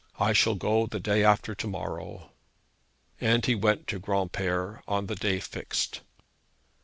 I shall go the day after to morrow.' And he went to Granpere on the day he fixed.